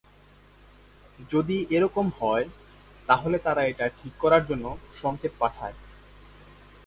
যদি এরকম হয়, তাহলে তারা এটা ঠিক করার জন্য সংকেত পাঠায়।